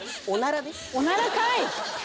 おならかい！